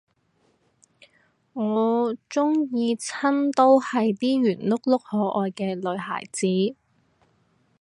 我鍾意親都係啲圓碌碌可愛嘅女孩子